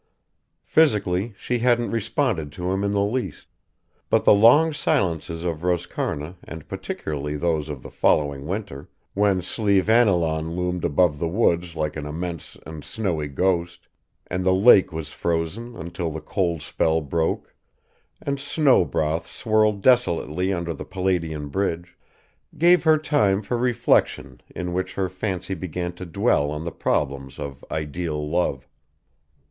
Physically, she hadn't responded to him in the least; but the long silences of Roscarna and particularly those of the following winter, when Slieveannilaun loomed above the woods like an immense and snowy ghost, and the lake was frozen until the cold spell broke and snow broth swirled desolately under the Palladian bridge, gave her time for reflection in which her fancy began to dwell on the problems of ideal love.